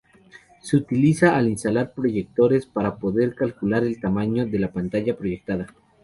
Se utiliza al instalar proyectores para poder calcular el tamaño de la pantalla proyectada.